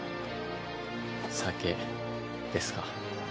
酒ですか。